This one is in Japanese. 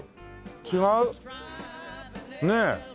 違う？ねえ。